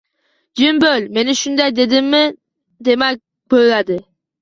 Jim bo`l, men shunday dedimmi, demak, bo`ladi